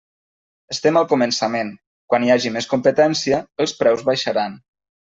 Estem al començament; quan hi hagi més competència, els preus baixaran.